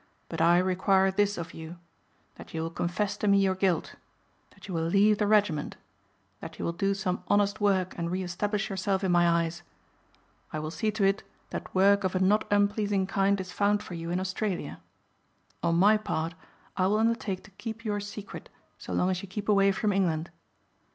But I require this of you: that you will confess to me your guilt; that you will leave the regiment; that you will do some honest work and re establish yourself in my eyes. I will see to it that work of a not unpleasing kind is found for you in Australia. On my part I will undertake to keep your secret so long as you keep away from England.